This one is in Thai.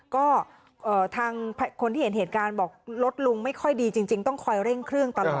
ก็ทางคนที่เห็นเหตุการณ์บอกรถลุงไม่ค่อยดีจริงต้องคอยเร่งเครื่องตลอด